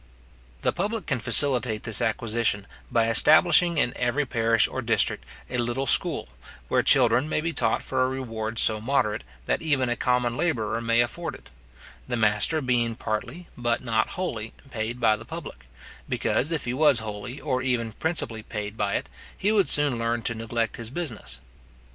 The public can facilitate this acquisition, by establishing in every parish or district a little school, where children maybe taught for a reward so moderate, that even a common labourer may afford it; the master being partly, but not wholly, paid by the public; because, if he was wholly, or even principally, paid by it, he would soon learn to neglect his business.